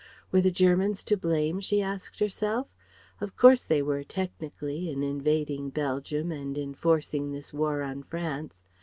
Were the Germans to blame, she asked herself? Of course they were, technically, in invading Belgium and in forcing this war on France.